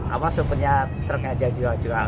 apa supunya truknya aja jual jual